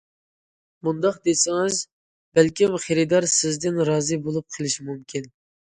مۇنداق دېسىڭىز، بەلكىم خېرىدار سىزدىن رازى بولۇپ قېلىشى مۇمكىن.